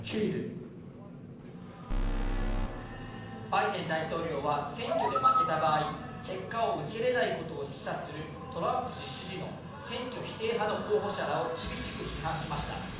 バイデン大統領は選挙で負けた場合、結果を受け入れないことを示唆する、トランプ氏支持の選挙否定派の候補者らを厳しく批判しました。